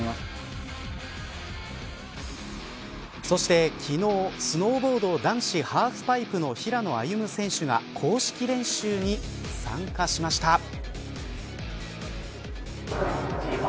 そして昨日スノーボード男子ハーフパイプの平野歩夢選手が公式練習に参加しました。